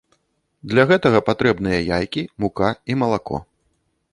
Для гэтага патрэбныя яйкі, мука і малако.